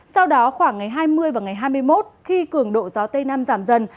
sau đó khoảng ngày hai mươi và ngày hai mươi một khi cường độ gió tây nam giảm dần